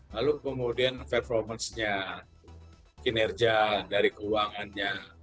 lalu kemudian performance nya kinerja dari keuangannya